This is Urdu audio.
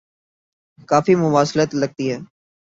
کافی مماثلت لگتی ہے۔